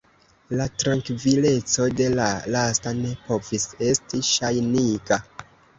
La trankvileco de la lasta ne povis esti ŝajniga.